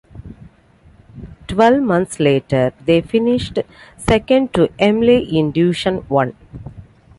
Twelve months later they finished second to Emley in Division One.